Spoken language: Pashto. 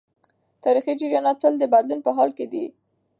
تاریخي جریانات تل د بدلون په حال کي دي.